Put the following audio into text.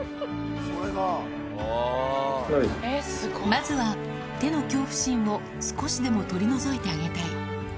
まずは手の恐怖心を少しでも取り除いてあげたい。